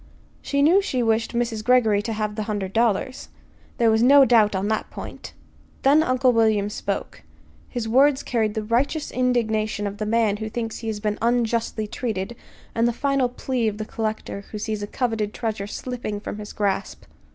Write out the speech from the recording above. She knew she wished Mrs. Greggory to have the hundred dollars. There was no doubt on that point. Then Uncle William spoke. His words carried the righteous indignation of the man who thinks he has been unjustly treated, and the final plea of the collector who sees a coveted treasure slipping from his grasp.